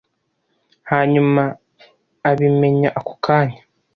hanyuma abimenya ako kanya